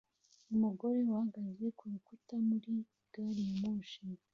Umugore uhagaze kurukuta muri gari ya moshi